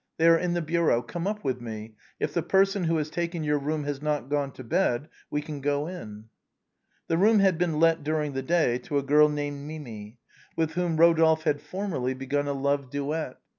They are in the bureau. Come up with me; if the person who has taken your room has not gone to bed, we can go in." The room had been let during the day to a girl named Mimi, with whom Eodolphe had formerly begun a love duet.